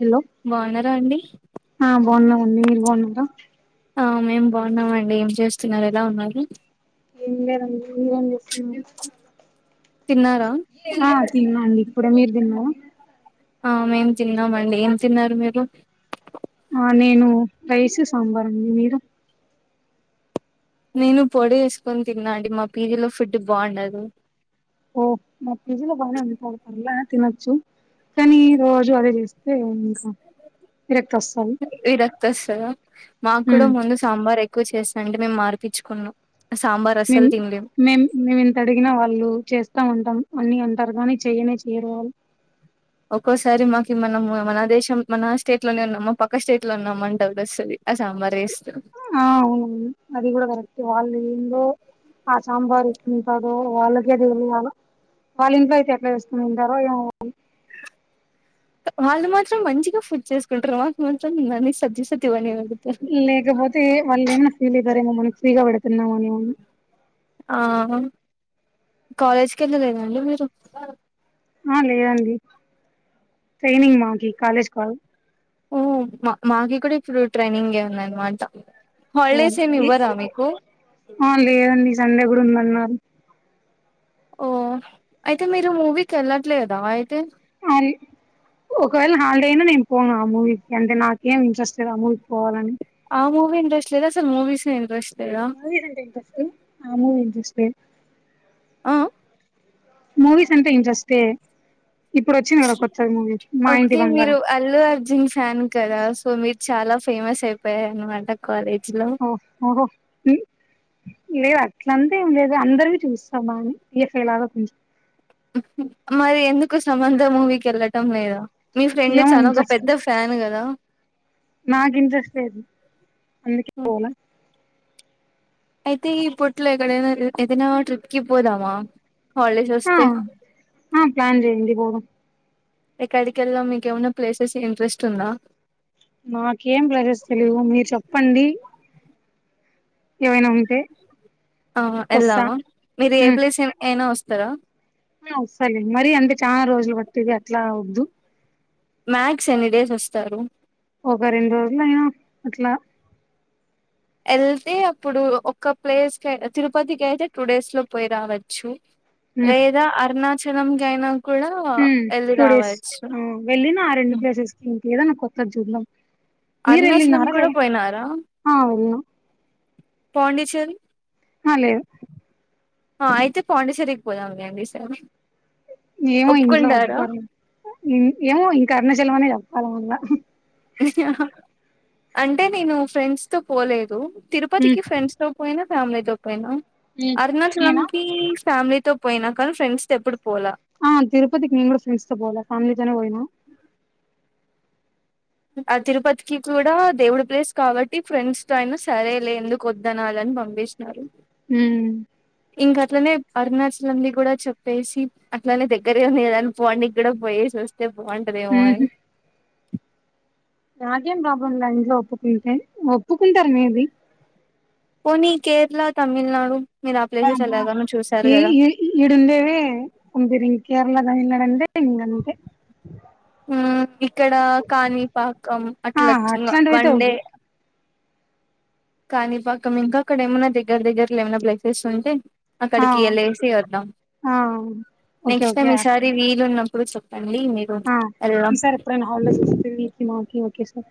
Hello బాగున్నారా అండి ఆ బాన్నామండి మీరు బాన్నారా ఆ మేము బాన్నామ అండి ఏం చేస్తున్నారు ఎలా ఉన్నారు ఏం లేదండి మీరేం చేస్తున్నరు తిన్నారా ఆ తినండి ఇప్పుడే మీరు తిన్నారా ఆ మేము తిన్నామండి ఏం తిన్నారు మీరు ఆ నేను రైస్ సాంబార్ అండి మీరు నేను పొడి వేసుకొని తిన్నా అండి మా పీజీలో ఫుడ్ బాగుండదు ఓ మా పీజీలో బానే ఉంటది పర్లా తినొచ్చు కానీ రోజు అదే చేస్ వస్తది వి రక్తస్ కదా ఉమ్ మాకూడా ముందుస సాంబార్ ఎక్కువ చేస్తా అంటే మేము మార్పిచ్చుకున్నాం సాంబార్ మేము మేమ్ మేము ఇంత అడిగినా వాళ్ళు చేస్తా అంటం అన్ని అంటారు కాగానీ చెయనే చేయరు వాళ్ళు ఒక్కోసారి మాకి మనం మన దేశం మన స్టేట్ లోనే ఉన్నామా పక్క స్టేట్ లో ఉన్నామ అంట అనిపిస్తది ఆ సాంబార్ చేస్తరు ఆ అవును అది కూడా కరెక్ట్ వాళ్ళేందో ఆ సాంబార్ ఎట్లుంటదో వాళ్ళకే తెలియాల వాళ్ళ ఇంట్లో అయితే ఎట్లా చేస్కొని తింటారో ఏమో వాళ్ళు మాత్రం మంచిగా ఫుడ్ చేసుకుంటారు మాకుమాత్రం సద్ది సద్ది వన్నీ వండుతారు లేకపోతే వాళ్ళు ఏమైనా ఫీల్ అయితారేమో మనకి ఫ్రీగా పెడుతున్నామన్నామని ఆ కాలేజ్కి వెళ్ళలేదండి మీరు ఆ లేదండి ట్రైనింగ్ మాకి కాలేజ్ కాదు ఓ మా మాకి కూడా ఇప్పుడు ట్రైనింగే ఉందిన్నమాట ఓ ఆ లేదండి సండే కూడా ఉందన్నారు ఓ అయితే మీరు మూవీకి వెళ్ళట్లేదా అయితే ఆరి ఒకవేళ హాలిడేనా నేను పోను ఆ మూవీకిి అంటే నాకేం ఇంట్రెస్ట్ లేదు ఆ మూవీకి పోవాలని ఆ మూవీ ఇంట్రెస్ట్ లేద అసలు మూవీసే ఇండ్రెస్ట్ లేదా ఆ మూవి ఇంట్రెస్ట్ ఆ మూవీస్ అంటే ఇంట్రెస్టే ఇప్పుడు వచ్చింది కదా కొత్త మూవీస్ మా ఇంటి ఓకే మీరు బంగారం అల్లు అర్జున్ ఫ్యాన్ కదా సో మీరు చాలా ఫేమస్ అయిపోయార అనమాట కాలేజ్ లో ఓ ఓహో లేదు అట్లంతే ఏం లేదు అందరు చూస్తామా అని ఎఫెలాగా కొం మరి ఎందుకు సమంత మూవీకి వెళ్ళటం లేదు మీ ఫ్రెండ్ ఏమో చాలా ఒక ఇంట్రెస్ట్ పెద్ద లేదు, ఫ్యాన్ కదా నాకు ఇంట్రెస్ట్ లేదు అందుకే పోలే అయితే ఇప్పట్లో ఎక్కడైనా ఏదైనా ట్రిప్కి పోదామా హాలిడేస్ ఆ వస్తే ఆ ప్లాన్ చేయండి పొదం ఎక్కడికెల్లం మీకెమన్న ప్లేసెస్ ఇంట్రెస్ట్ ఉందా మాకేం ప్లేసెస్ తెలీవు మీరు చెప్పండి ఏవైనా ఉన్ ఆ వెళ్లావా మీరు ఏ ఉమ్ ప్లేస్ అయినా వస్తారా ఆ వస్తలే మరీ అంటే చాలా రోజులు పెట్టేది అట్లా వద్దు మ్యాక్స్ ఎన్ని డేస్ వస్తారు ఒక రెండు రోజులు అయినా అట్ల వెళ్తే అప్పుడు ఒక ప్లేస్ క తిరుపతికి అయితే టూ డేస్ లో పోయి రావచ్చు ఉమ్ లేదా అరుణాచలం గైనా కూడా వెళ్ళి రావచ్చు వెళ్ళి నా ఆ రెండు ప్లేసెస్కి ఇంకేదాన కొత్తది జూడ్లం అరుణాచలం కూడా పోయినారా ఆ వెళ్ళిన పాండిచ్చేరి అ లేేదు ఆ అయితే పాండిచ్చేరి కి పోదాం లేండి ఈసారి ఏమో ఇంట్లో ఒప్పుకుంటారా ఒప్పుకోరే ఏమో ఇంక అరుణాచలం అనే చెప్పాలి మల అంటే నేను ఫ్రెండ్స్ తో పోలేదు తిరుపతికి ఫ్రెండ్స్ తో పోయిన ఫ్యామిలీతో పోయిన అరుణాచలం నేనా కి ఫ్యామిలీ తో పోయినా కానీ ఫ్రెండ్స్తో ఎప్పుడు పోలా ఆ తిరుపతికి నిను కూడా ఫ్రెంస్తో పోల ఫ్యామిలీతోనే పోయినా ఆ తిరుపతికి కూడా దేవుడి ప్లేస్ కాబట్టి ఫ్రెండ్స్ తో అయిన సరేలే ఎందుకు వద్దనాలని పంపిస్ చారు ఊ ఇంక అట్లనే అరుణాచలంది కూడా చెప్పేసి అట్లనే దగ్గరే ఉంది కదా అని పాండి కి కూడా పోయేసి వస్తే బాగుంటదేమో అని నాకేం ప్రాబ్లంల ఇంట్లో ఒప్పుకుంటే ఒప్పుకుంటారు మే బి పోనీ కేరళ తమిళనాడు మీరు ఆ ప్లేసెస్ బాబా ఎలాగనో చూశారు ఈ కదా ఈడుండేవే కుదిరి కేరళ తమిళనాడు అంటే ఇంగా అంతే ఆ ఇక్కడ కాణిపాకం ఆ అట్ల చ్ ఇంగా వన్ అట్లాంటివయితే వన్డే ఓకే కానిపాకం ఇంకా అక్కడ ఏమన్నా దగ్గర దగ్గరలో ఏమైనా ప్లేసెస్ ఉంటే ఆ ఆక్కడికి ఏళ్లేసి వద్దాం ఆ ఓకే నెక్స్ట్ ఓకే టైం అట్లా ఈసారి వీ వీలు ఉన్నప్పుడు చెప్పండి మీరు ఏళ్దాం ఆలోచిస్తూ మీకి మాకి ఒకేసారి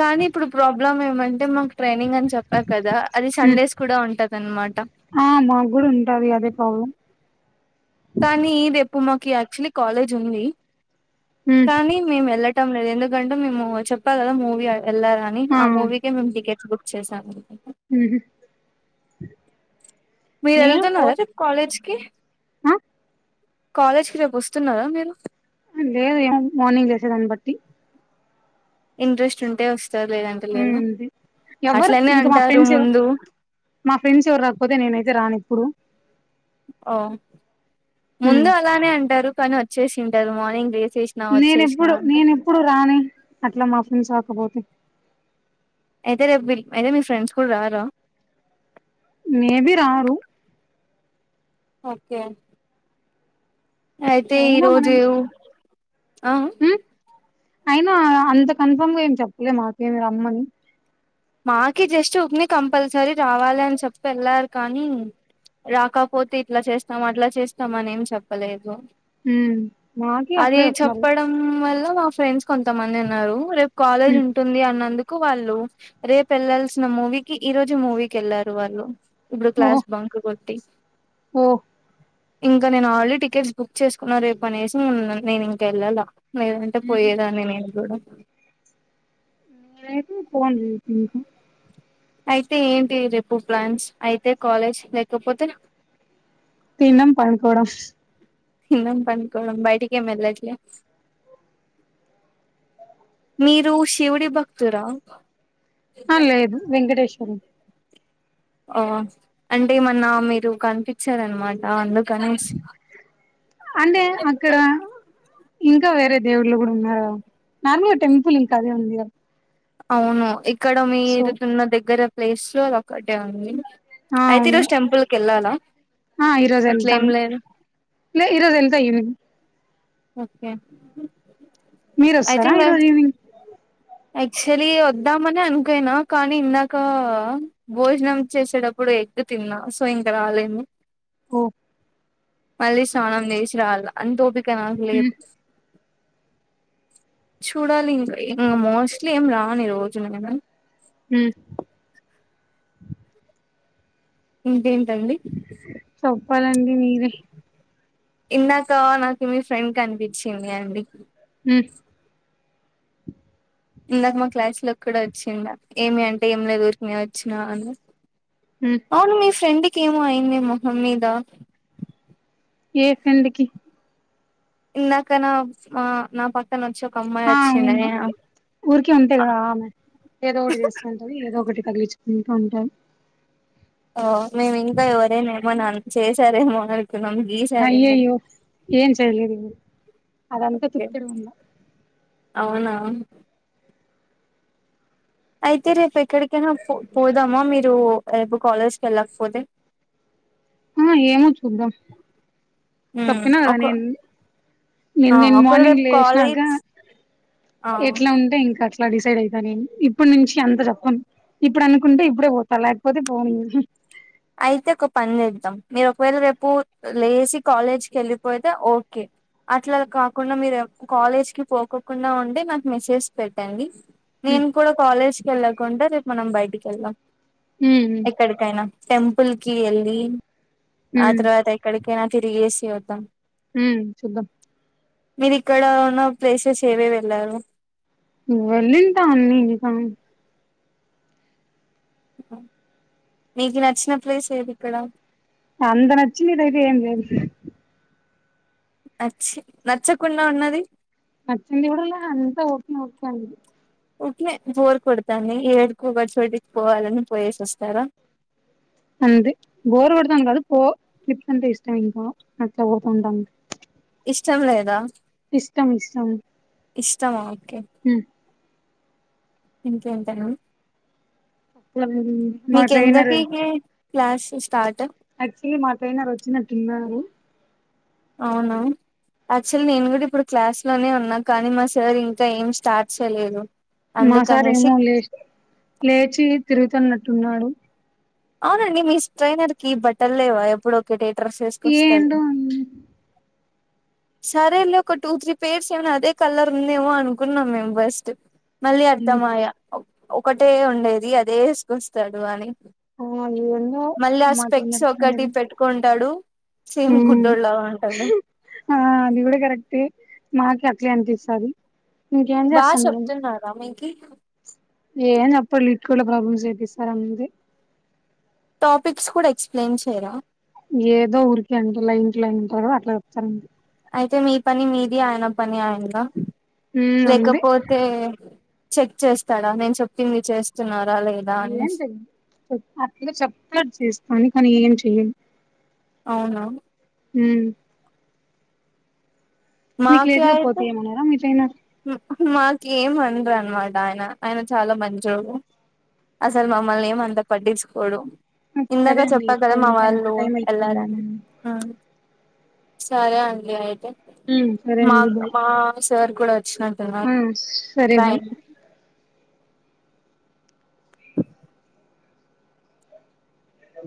కానీ ఇప్పుడు ప్రాబ్లమ్ ఏమంటే మకి ట్రైనింగ్ అని చెప్పా కదా అది సండేస్ కూడా ఉంటది అనమాట ఆ మాకు గూడ ఉంటది అదే ప్రాబ్లం కానీ రేపు మాకి యాక్చులీ కాలేజ్ ఉంది కానీ మేం వెళ్ళటం లేదు ఎందుకంటే మేము చెప్పా కదా మూవీ ఆ వెళ్లాలని ఆ మూవీకే మేము టికెట్స్ బుక్ చేసాం ఉహు మీరు నేను వెళ్తున్నారా ఫోర్ రేపు కాలేజ్ కి ఆ కాలేజ్ కి రేపు వస్తున్నారా మీరు హా లేదు యాన్ మార్నింగ్ లేసే దాన్ని బట్టి ఇంట్రెస్ట్ ఉంటే వస్తారు లేదంటే ఉమ్ లేదుా అంతే ఎవరు అట్లనే ఇంకా మా అంటారు ఫ్రెండ్స్ ఎవరు ముందు మా ఫ్రెండ్స్ ఎవరు రాకపోతే నేనైతే రాను ఇప్పుడు ఓ ముందు ఉమ్ అలానే అంటారు కానీ వచ్చేసింటారు మార్నింగ్ వేసేసి నేనెప్పుడు నేను ఎప్పుడు రానే అట్లా మా ఫ్రెండ్స్ రాకపోతే అయితే రేపు విల్ అయితే మీ ఫ్రెండ్స్ కూడా రారా మేబి రారు ఓకే అయితే ఈ రోజు ఆ ఉ అయినా అంత కన్ఫామ్ గా ఏం చెప్పలే మాకేమి రమ్మని మాకి జస్ట్ ఊకనే కంపల్సరీ రావాలి అని చెప్పి వెళ్ళారు కానీ రాకపోతే ఇట్లా చేస్తాం అట్లా చేస్తాం అని ఏం చెప్పలేదు ఉమ్ మాకి అది అట్లే చెప్తున్నారు చెప్పడం వల్ల మా ఫ్రెండ్స్ కొంతమంది ఉన్నారు రేపు కాలేజ్ ఉమ్ ఉంటుంది అన్నందుకు వాళ్ళు రేపు వెళ్లాల్సిన మూవీకిి ఈ రోజు మూవీకి ఏళ్లారు వాళ్ళు ఇప్పుడు ఓహో క్లాస్ బంకు కొట్టి ఓ ఇంకా నేను ఆల్రడీ టికెట్స్ బుక్ చేసుకున్న రేపు అనేసి నేను ఇంకా వెళ్ళాలా లేదంటే ఉహు పోయేదాన్ని నేను గుడా రేపే పోండి రేపు ఇంకా అయితే ఏంటి రేపు ప్లాన్స్ అయితే కాలేజ్ లేకపోతే నా తినడం పడుకోడం తినడం పడుకోడం బయటికి ఏం వేళ్లట్లే మీరు శివుడి భక్తురా ఆ లేదు వెంకటేశ్వరులు ఓ అంటే మొన్న మీరు కనిపించారు అన్నమాట అందుకనేసి అంటే అక్కడ ఇంకా వేరే దేవుళ్లు కూడా ఉన్నార నార్మల్గా టెంపుల్ ఇంకా అదే ఉంది గాదా అవును ఇక్కడ సో మీరు దున్న దగ్గర ప్లేసు అది ఒక్కటే ఉంది ఆ అయితే అవును ఈరోజు టెంపుల్ కి వెళ్ళాలా ఆ ఈరోజు వెళ్తాం అట్లేం లేదు లే ఈరోజు వెళ్తా ఈరోజు ఓకే ఉ మీరు వస్తారా ఈ రోజు ఈవినింగ్? యాక్చువలీ వద్దామని అనుకోనినా కానీ ఇందాక భోజనం చేసేటప్పుడు ఏ తిన్నా సో ఇంకా రలే ను ఓ మళ్ళీ స్నానం చేసి రాళ్ల అంత ఓపిక నాకు మ్మ్ లేదు. చూడాలి ఇంక ఇంకా మోస్ట్లీ ఏం రాని రోజు నేను హ ఇంకేంటి అండి? చెప్పాలండి మీరే ఇందాక నాకు మీ ఫ్రెండ్ కనిపించింది అండి ఉ ఇందాక మా క్లాసు లోకి కూడా వచ్చిండు ఏమి అంటే ఏమి లేదు ఊరికినే వచ్చినా అని మ్మ్ అవును మీ ఫ్రెండ్కి ఏమో అయింది మొహం మీద ఏ ఫ్రెండ్కి? ఇందాక నా ఆ నా ప నేను వచ్చ కమ్ ఆ అవును ఊరికే ఉంటే కదా ఆమె ఏదో ఒకటి చేస్తు ఉంటుంది. ఏదో ఒకటి తగిలించుకుంటూ ఉంటాది. ఓ మేము ఇంకా ఎవరైనా ఏమోనా చేసారేమో అనుకున్నాం. గీసారేమో అయ్యయ్యో ఏం చెయలేది అదంతా త తెరు ఉన్నా అవునా అయితే రేపు ఎక్కడికైనా పో పోదామా మీరు రేపు కాలేజ్కి వెళ్ళకపోతే? ఆహ ఏమో చూద్దాం చెప్పినా కదా ఒక నేను నేను ఆ నేను ఒకవేళ మార్నింగ్ రేపు లేసినాక కాలేజ్ ఆ ఎట్లా ఉంటే ఇంకా అలా డిసైడ్ అయితా నేను ఇప్పుడు నుంచి అందరం ఇప్పుడు అనుకుంటే ఇప్పుడే పోతా లేకపోతే పోను అయితే ఒక పని చేద్దాం మీరు ఒకవేళ రేపు లేసి కాలేజ్కి వెళ్ళిపోతే ఓకే అట్లా కాకుండా మీరు కాలేజ్కి పోకోకుండా ఉంటే నాకు మెసేజ్ పెట్టండి. నేను కూడా కాలేజ్కి వెళ్ళకుండా రేపు మనం బయటికి వెళ్దాం. ఉహ ఎక్కడికైనా టెంపుల్ కి ఎళ్ళి ఆ ఉమ్ తర్వాత ఎక్ ఎక్కడికైనా తిరిగేసి వద్దాం ఉమ్ చూద్దాం మీరు ఇక్కడ ఉన్న ప్లేసెస్ ఏవే వెళ్లారు? నువ్వు వెళ్ళింటా అన్ని ఇంకా మీకి నచ్చిన ప్లేస్ ఏది ఇక్కడ? అంత నచ్చినది అయితే ఏం లేదు ఇక్కడ నచ్చి నచ్చకుండా ఉన్నది నచ్చి దవుడల్ అంతా ఓకితంది ఊరికినే బోరు కొడతాంది ఏడకో ఒక చోటికి పోవాలని పోయేసి వస్తారా? అంది బోర్ కొడుతుంది కాద పో ఎట్లా అంటే ఇష్టం నట్లా పోత ఉంటాం. ఇష్టం లేదా? ఇష్టం ఇష్టం ఇష్టమా ఓకే ఉమ్ ఇంకా అంతేనా లాబ్ మీకు ఎన్నింటికి క్లాస్ స్టార్ట్ యాక్చువల్లీ మా ట్రైనర్ వచ్చినట్టున్నారు అవునా యాక్చువల్లీ నేను కూడా ఇప్పుడు క్లాస్లోనే ఉన్నా కానీ మా సార్ ఇంకా ఏం స్టార్ట్ చేయలేదు మా సార్ అందుకనేసి ఏమో లేచ లేచి తిరుగుతున్నట్టున్నాడు అవునండి మీ స్ట్రైనర్ కి బట్టలు లేవా ఎప్పుడు ఒకటేట్రస్ వేసుకొస్తాడు ఆ ఏందో సరేలే ఒక టూ త్రీ పేర్స్ ఏమనా అదే కలర్ ఉందేమో అనుకుంన్నాం మేము ఫస్ట్ మళ్ళీ అర్థమాయ ఒకటే ఉండేది అదే వేసుకొస్తాడు అని ఆ ఏందో మళ్ళీ ఆ మాట స్పెడ్స్ వినడమే ఒకటి లేదు పెట్టుకుంటాడు సేమ్ గుడ్డోళ ఉంటాడు ఆ అది కూడా కరెక్టే మాకి అట్లే అనిపిస్తుంది ఇంకేం చేస్తాం మనం రమికి ఏం చెప్పరు లిట్కోలో ప్రాబ్లమ్స్ చేయిస్తారు అంతే టాపిక్స్ కూడా ఎక్స్ప్లెయిన్ చేయరా ఏదో ఊరికే అంట ఇట్లో ఉంటారు అట్లా చెప్తారండి అయితే మీ పని మీది ఆయన పని ఆయినదా ఉమ్ అంతే లేకపోతే చెక్ చేస్తాడా నేను చెప్పింది చేస్తున్నారా లేదా అని ఏం చెయదు ఆ పిల్ల చెప్తాది చేస్తాదనీ కానీ ఏం చేయదు అవునా ఉమ్ మీకు లేట్ గా పోతయమన్నరా మీకు అయినా మాకు ఏం అనరు అనమాట ఆయన ఆయన చాలా మంచోడు అసలు మమ్మల్ని ఏమ అంత పట్టించుకోడు ఇందాక సరే అండి చెప్పా కదా ఇట్లే మా ఉంటా ఇంకా వాళ్ళు టైం అయితాంది వెళ్లారని సరే అండి అయితే ఉమ్ సరే మా అండి బాయ్ మా సార్ కూడా వచ్చినట్టు ఆ ఉన్నారూ బాయ్ అండీ అ